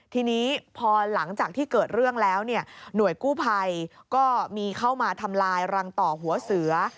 ทีนี้พอหลังจากที่เกิดเรื่องแล้วเนี่ยหน่วยกู้ภัยก็มีเข้ามาทำลายรังต่อหัวเสือ